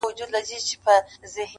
ويل زموږ د سر امان دي وې سلطانه٫